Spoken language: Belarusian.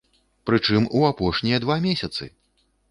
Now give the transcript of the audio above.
Прычым у апошнія два месяцы!